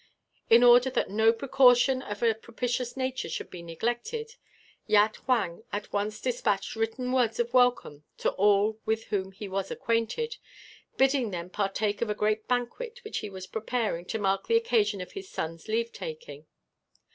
In order that no precaution of a propitious nature should be neglected, Yat Huang at once despatched written words of welcome to all with whom he was acquainted, bidding them partake of a great banquet which he was preparing to mark the occasion of his son's leave taking.